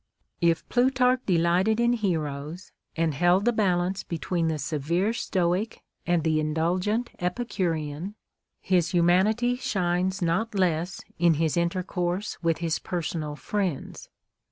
If Plutarch delighted in heroes, and held the balance between the severe Stoic and the indulgent Epicurean, his humanity shines not less in his intercourse with his personal friends.